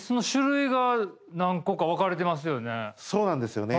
そうなんですよね。